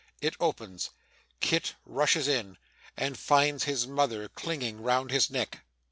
It opens. Kit rushes in, and finds his mother clinging round his neck.